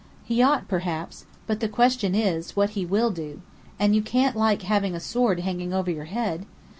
"He ought, perhaps. But the question is, what he will do. And you can't like having a sword hanging over your head?